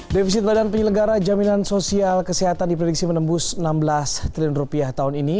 defisit badan penyelenggara jaminan sosial kesehatan diprediksi menembus enam belas triliun tahun ini